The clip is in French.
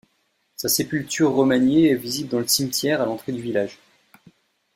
Sa sépulture remaniée est visible dans le cimetière à l'entrée du village.